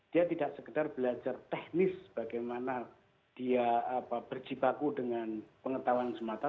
dia tidak sekedar belajar teknis bagaimana dia berjibaku dengan pengetahuan semata